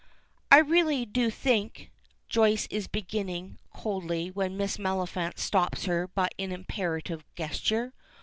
"I really do think " Joyce is beginning, coldly, when Miss Maliphant stops her by an imperative gesture.